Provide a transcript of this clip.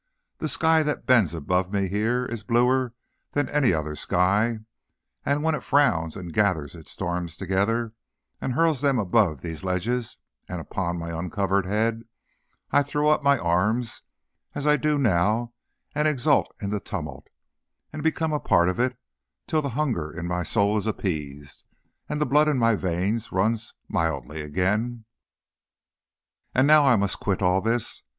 The sky that bends above me here is bluer than any other sky; and when it frowns and gathers its storms together, and hurls them above these ledges and upon my uncovered head, I throw up my arms as I do now and exult in the tumult, and become a part of it, till the hunger in my soul is appeased, and the blood in my veins runs mildly again. And now I must quit all this.